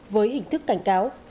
với hình thức cảnh cáo